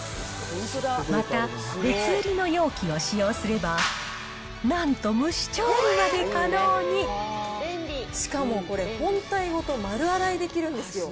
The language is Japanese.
また別売りの容器を使用すれば、しかもこれ、本体ごと丸洗いできるんですよ。